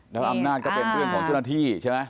แล้วอำนาจก็เป็นเรื่องของเจ้าหน้าที่ใช่ไหม